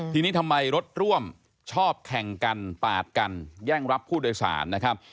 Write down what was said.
ทีนี้ทำไมรถร่วมชอบแข่งกันปาดกันแย่งรับผู้โดยสารนะครับ